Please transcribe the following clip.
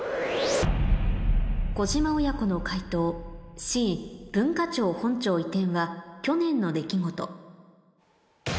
小島親子の解答Ｃ「文化庁本庁移転は去年の出来事」